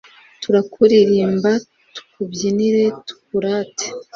turakuririmba tukubyinire, tukurate